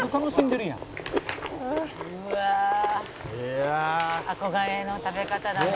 「いや」「憧れの食べ方だね」